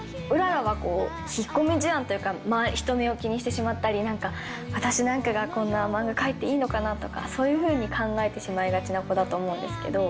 らは引っ込み思案というか、人目を気にしてしまったりとか、なんか、私なんかがこんな漫画描いていいのかなって、そういうふうに考えてしまいがちな子だと思うんですけど。